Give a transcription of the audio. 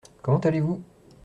Comment allez-vous ?